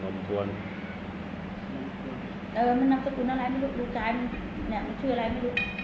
ลมทวนเออมันนำสกุลอะไรไม่รู้รู้ชายมันเนี้ยมันชื่ออะไรไม่รู้